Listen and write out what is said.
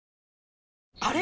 あれ？